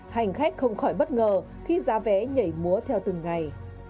hành khách không khỏi bất ngờ khi giá vé nhảy múa theo từng ngày